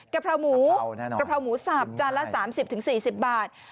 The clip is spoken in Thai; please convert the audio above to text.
กะเพราหมูสับจานละ๓๐๔๐บาท